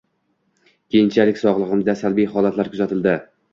Keyinchalik sog‘ligimda salbiy holatlar kuzatildi.